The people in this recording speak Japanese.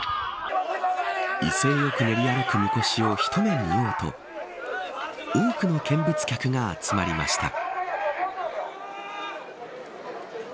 威勢よく練り歩くみこしを一目見ようと多くの見物客が集まりました。